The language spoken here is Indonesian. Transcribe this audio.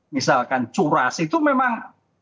misalkan curas itu memang